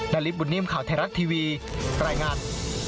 ดันลิฟต์บุญเนียมข่าวไทยรักทีวีแปรงงาน